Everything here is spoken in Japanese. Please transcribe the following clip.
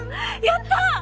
やった！